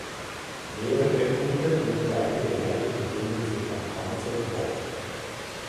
Mehrere Putten und kleine Gemälde befinden sich am Kanzelkorb.